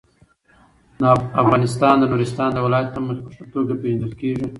افغانستان د نورستان د ولایت له مخې په ښه توګه پېژندل کېږي.